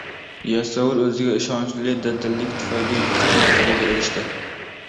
Yasovul oʻziga ishonchi, dadilligi tufayli yuksak martabaga erishdi.